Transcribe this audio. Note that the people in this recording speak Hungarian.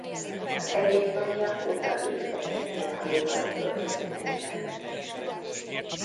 Az egyiptomiak óta építettek ilyen hajókat a Földközi-tengeren.